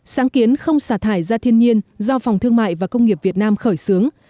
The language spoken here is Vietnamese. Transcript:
sáng kiến không xả thải ra thiên nhiên do phòng thương mại và công nghiệp việt nam khởi xướng